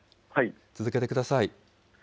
続けてください。